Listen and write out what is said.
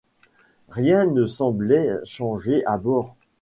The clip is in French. Rien ne semblait changé à bord.